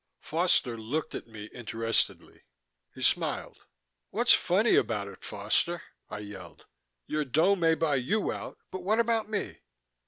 Foster looked at me interestedly. He smiled. "What's funny about it, Foster?" I yelled. "Your dough may buy you out, but what about me?"